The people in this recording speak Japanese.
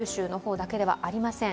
九州の方だけではありません。